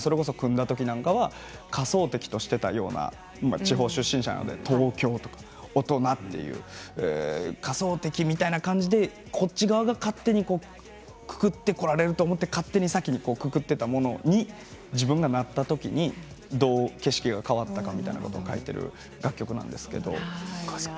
それこそ組んだときの１０代なんかは仮想敵としていたような、地方出身者なので東京とか大人とか仮想敵みたいな感じでこちら側が勝手に、くくってこられると思って先にくくっておいたものに自分がなった時にどう、景色が変わったかということを書いている楽曲です。